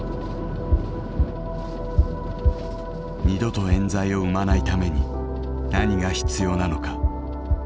二度とえん罪を生まないために何が必要なのか。